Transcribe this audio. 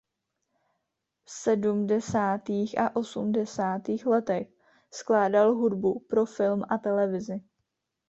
V sedmdesátých a osmdesátých letech skládal hudbu pro film a televizi.